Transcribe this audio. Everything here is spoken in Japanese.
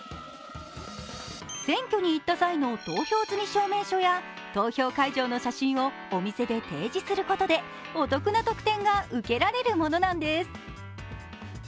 選挙に行った際の投票済証明書を投票会場の写真をお店で提示することで、お得な特典が受けられるものなんです。